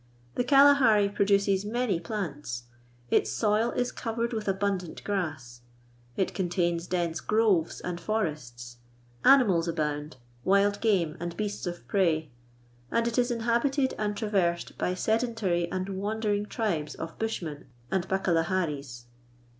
The Kalahari produces many plants ; its soil is covered with abundant grass ; it contains dense groves and forests ; animals abound, wild game and beasts of prey ; and it is inhabited and traversed by sedentary and wandering tribes of Bushmen and Bakalaharis.